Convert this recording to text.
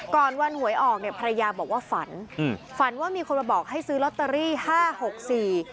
ก่อนวันหวยออกเนี่ยภรรยาบอกว่าฝันอืมฝันว่ามีคนมาบอกให้ซื้อลอตเตอรี่ห้าหกสี่